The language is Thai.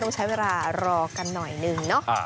ต้องใช้เวลารอกันหน่อยนึงเนาะ